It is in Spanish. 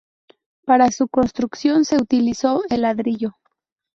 Para su construcción se utilizó el ladrillo.